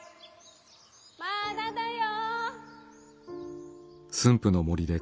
まだだよ！